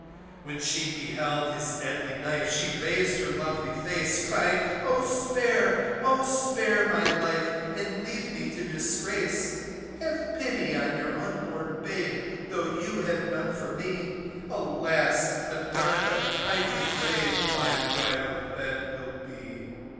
When she beheld his deadly knife she rais'd her lovely face, Crying, Oh! spare, Oh! spare my life and leave me to disgrace, Have pity on your unborn babe tho' you have none for me; Alas! a dark untimely grave, my bridal bed will be.